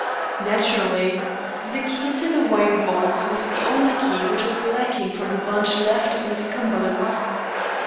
"Naturally. The key to the wine vault was the only key which was lacking from the bunch left at Miss Cumberland's.